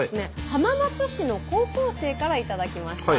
浜松市の高校生から頂きました。